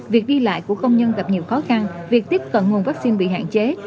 việc đi lại của công nhân gặp nhiều khó khăn việc tiếp cận nguồn vaccine bị hạn chế